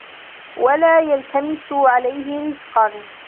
وَلَا يَلْتَمِسُوا عَلَيْهِ رِزْقًا